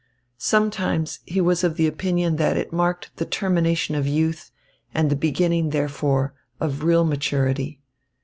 Sometimes he was of the opinion that it marked the termination of youth and the beginning, therefore, of real maturity.